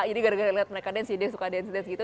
jadi gara gara liat mereka dance jadi suka dance gitu